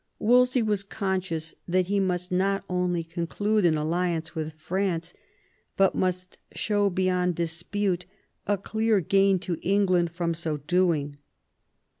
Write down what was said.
Wolsey was conscious that he must not only con clude an alliance with France, but must show beyond dispute a clear gain to England from so doing.